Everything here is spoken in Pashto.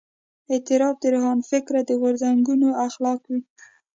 اعتراف د روښانفکره غورځنګونو اخلاق وي.